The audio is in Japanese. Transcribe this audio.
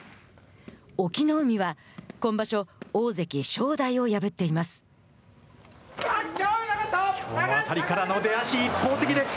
隠岐の海は今場所大関・正代を破っています。